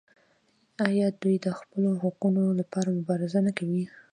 آیا دوی د خپلو حقونو لپاره مبارزه نه کوي؟